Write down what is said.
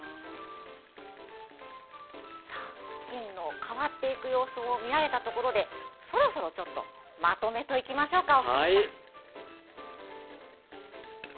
金の変わっていく様子を見られたところでそろそろまとめといきましょうか。